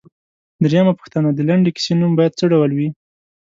درېمه پوښتنه ـ د لنډې کیسې نوم باید څه ډول وي؟